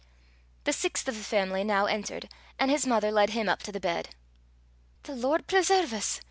The sixth of the family now entered, and his mother led him up to the bed. "The Lord preserve 's!"